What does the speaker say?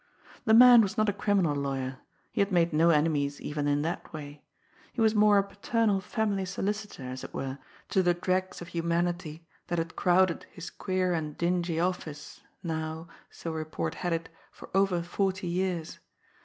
The man was not a criminal lawyer, he had made no enemies even in that way; he was more a paternal family solicitor, as it were, to the dregs of humanity that had crowded his queer and dingy office now, so report had it, for over forty years.